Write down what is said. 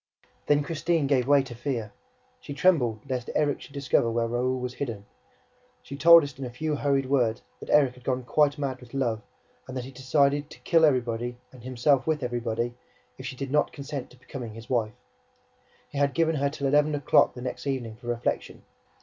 Then Christine gave way to fear. She trembled lest Erik should discover where Raoul was hidden; she told us in a few hurried words that Erik had gone quite mad with love and that he had decided TO KILL EVERYBODY AND HIMSELF WITH EVERYBODY if she did not consent to become his wife. He had given her till eleven o'clock the next evening for reflection.